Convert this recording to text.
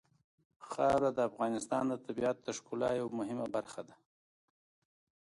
خاوره د افغانستان د طبیعت د ښکلا یوه مهمه برخه ده.